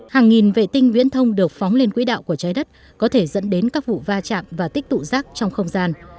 hàng nghìn vệ tinh viễn thông được phóng lên quỹ đạo của trái đất có thể dẫn đến các vụ va chạm và tích tụ rác trong không gian